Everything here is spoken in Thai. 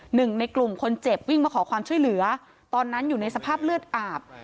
หนึ่งในกลุ่มคนเจ็บวิ่งมาขอความช่วยเหลือตอนนั้นอยู่ในสภาพเลือดอาบ